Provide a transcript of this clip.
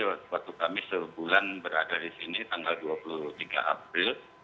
waktu kami sebulan berada di sini tanggal dua puluh tiga april